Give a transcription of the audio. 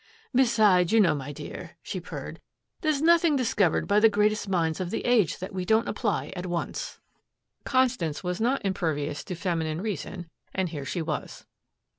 "Besides, you know, my dear," she purred, "there's nothing discovered by the greatest minds of the age that we don't apply at once." Constance was not impervious to feminine reason, and here she was.